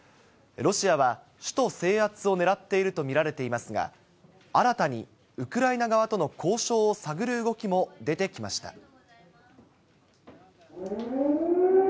ロシアは首都制圧をねらっていると見られていますが、新たにウクライナ側との交渉を探る動きも出てきました。